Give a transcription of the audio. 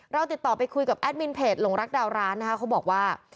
เราติดต่อไปคุยกับแอดมินเพจหลงรักดาวร้านนะคะเขาบอกว่า